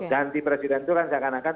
ganti presiden itu kan seakan akan